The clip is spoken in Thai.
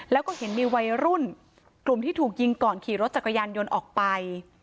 แล้วก็เห็นมีวัยรุ่นกลุ่มที่ถูกยิงก่อนขี่รถจักรยานยนต์ออกไป